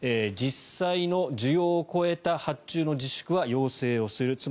実際の需要を超えた発注の自粛は要請をする。